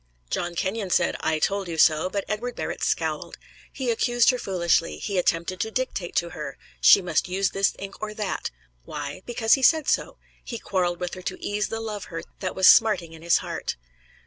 John Kenyon said, "I told you so," but Edward Barrett scowled. He accused her foolishly; he attempted to dictate to her she must use this ink or that. Why? Because he said so. He quarreled with her to ease the love hurt that was smarting in his heart.